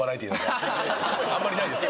あんまりないです。